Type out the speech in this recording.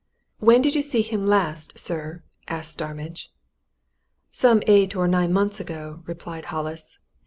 "When did you see him last, sir!" asked Starmidge. "Some eight or nine months ago," replied Hollis.